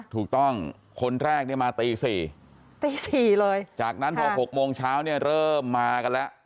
ถูกต้องคนแรกเนี่ยมาตีสี่ตีสี่เลยจากนั้นพอ๖โมงเช้าเนี่ยเริ่มมากันแล้ว